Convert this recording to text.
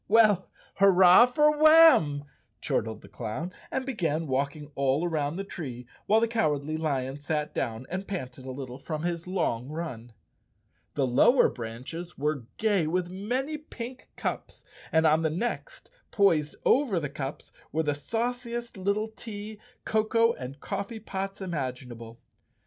"W ell, hurrah for Warn!" chortled the clown, and began walking all around the tree, while the Cowardly Lion sat down and panted a little from his long run. The lower branches were gay with many pink cups and on the next, poised over the cups, were the sauci¬ est little tea, cocoa and coffee pots imaginable.